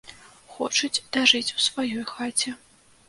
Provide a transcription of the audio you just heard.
Хочуць дажыць у сваёй хаце.